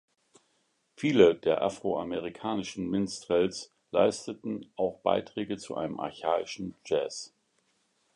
Viele der afroamerikanischen Minstrels leisteten auch Beiträge zu einem archaischen Jazz.